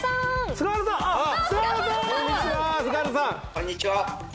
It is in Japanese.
こんにちは。